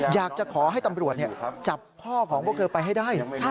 อยากจะขอให้ตำรวจจับพ่อของพวกเธอไปให้ได้